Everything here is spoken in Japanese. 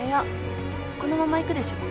このまま行くでしょ？